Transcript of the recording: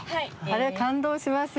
あれ感動しますよね。